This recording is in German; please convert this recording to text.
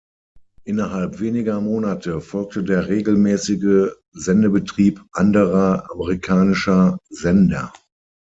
Innerhalb weniger Monate folgte der regelmäßige Sendebetrieb anderer amerikanischer Sender.